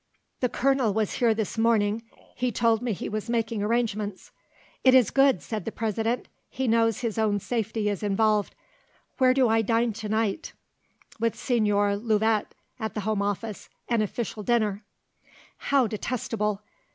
"The Colonel was here this morning; he told me he was making arrangements." "It is good," said the President; "he knows his own safety is involved. Where do I dine to night?" "With Señor Louvet, at the Home Office, an official dinner." "How detestable!